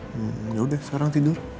hmm yaudah sekarang tidur